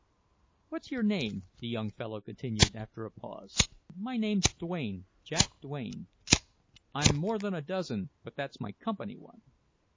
"What's your name?" the young fellow continued after a pause. "My name's Duane—Jack Duane. I've more than a dozen, but that's my company one."